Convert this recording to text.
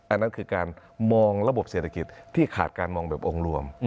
อันนั้นคือการมองระบบเศรษฐกิจที่ขาดการมองแบบองค์รวม